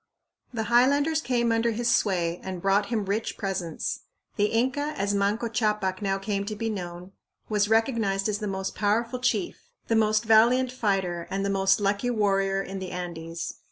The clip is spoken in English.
The highlanders came under his sway and brought him rich presents. The Inca, as Manco Ccapac now came to be known, was recognized as the most powerful chief, the most valiant fighter, and the most lucky warrior in the Andes.